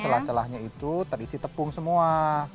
celah celahnya itu terisi tepung semua